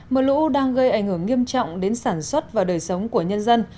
mưa lũ đang gây ảnh hưởng nghiêm trọng đến sản xuất và đời sống của nhân dân